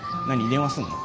電話すんの？